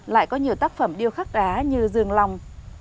lại có nhiều tác phẩm điêu khắc đá như dương long